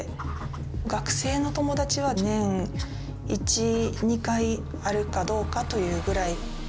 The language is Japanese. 学生の友達は年１２回あるかどうかというぐらい。